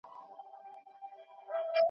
مځکه دي سره ده وچ دي اسمان دی .